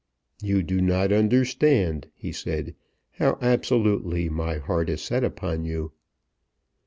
"You do not understand," he said, "how absolutely my heart is set upon you."